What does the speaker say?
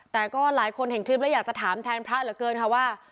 แต่ก็หลายคนเห็นคลิปแล้วอยากจะถามแทนพระเหลือเกินค่ะว่า